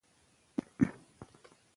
شفاف معیارونه د سمون لار اسانه کوي.